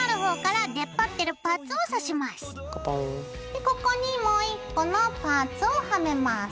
でここにもう１個のパーツをはめます。